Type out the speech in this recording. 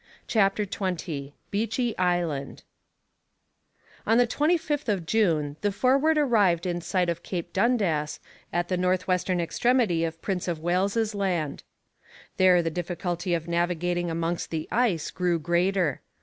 CHAPTER XX BEECHEY ISLAND On the 25th of June the Forward arrived in sight of Cape Dundas at the north western extremity of Prince of Wales's Land. There the difficulty of navigating amongst the ice grew greater.